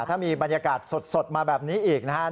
ถ้ามีบรรยากาศสดมาแบบนี้อีกนะครับ